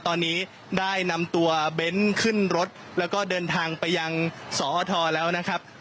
ตอนนี้ได้นำตัวเบ้นขึ้นรถแล้วก็เดินทางไปยังสอทแล้วนะครับ